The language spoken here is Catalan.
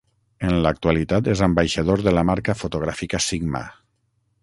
En l'actualitat és ambaixador de la marca fotogràfica Sigma.